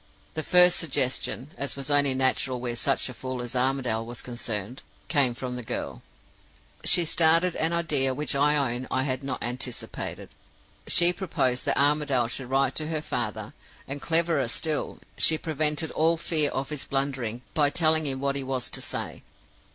"The first suggestion (as was only natural where such a fool as Armadale was concerned) came from the girl. "She started an idea which I own I had not anticipated. She proposed that Armadale should write to her father; and, cleverer still, she prevented all fear of his blundering by telling him what he was to say.